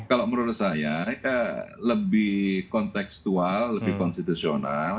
kalau menurut saya mereka lebih konteksual lebih konstitusional